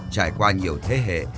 trải qua nhiều thế hệ